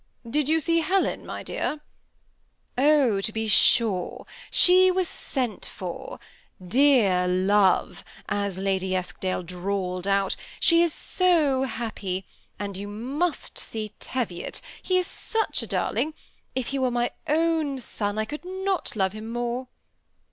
" Did you see Helen, my dear ?"" Oh ! to be sure. She was sent for. * Dear Love,' as Lady Eskdale drawled out, * she is so happy ; and you must see Teviot, — he is such a darling; if he THE SEMI ATTACHED COUPLE. 7 were my own son, I could not love him more.'